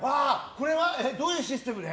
これはどういうシステムで？